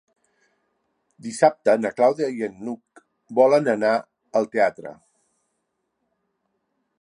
Dissabte na Clàudia i n'Hug volen anar al teatre.